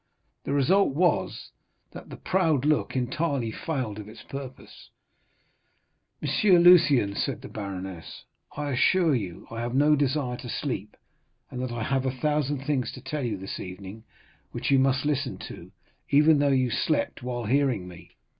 The result was, that the proud look entirely failed of its purpose. "M. Lucien," said the baroness, "I assure you I have no desire to sleep, and that I have a thousand things to tell you this evening, which you must listen to, even though you slept while hearing me."